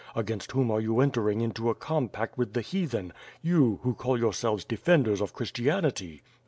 Against whom are you enter ing into a compact with the Heathen, you, who call yourselves defenders of Christianity?